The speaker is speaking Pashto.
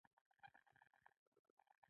که پرانیستي بنسټونه موجود وي، زمینه برابروي.